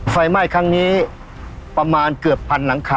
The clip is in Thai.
ไฟไหม้ครั้งนี้ประมาณเกือบพันหลังคา